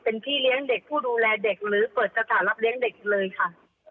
เป็นพี่เลี้ยงเด็กผู้ดูแลเด็กหรือเปิดสถานรับเลี้ยงเด็กเลยค่ะ